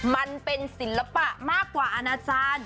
มันเป็นศิลปะมากกว่าอาณาจารย์